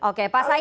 oke pak said